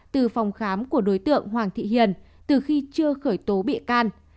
từ phòng khám của đối tượng hoàng thị hiền từ khi chưa khởi tố bị can